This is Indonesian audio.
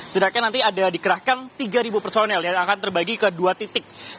sedangkan nanti ada dikerahkan tiga personel yang akan terbagi ke dua titik